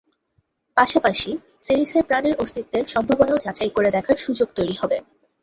পাশাপাশি সেরিসে প্রাণের অস্তিত্বের সম্ভাবনাও যাচাই করে দেখার সুযোগ তৈরি হবে।